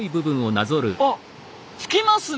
ああつきますね。